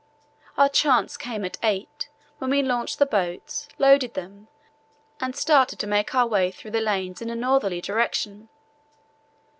Our chance came at 8, when we launched the boats, loaded them, and started to make our way through the lanes in a northerly direction.